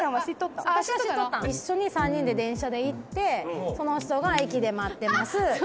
「一緒に３人で電車で行ってその人が駅で待ってます」